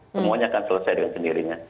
semuanya akan selesai dengan sendirinya